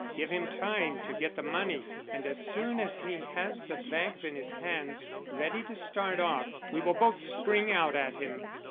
Give him time to get the money, and as soon as he has the bags in his hands ready to start off, we will both spring out at him."